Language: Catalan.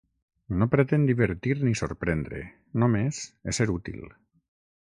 No pretén divertir ni sorprendre, només ésser útil.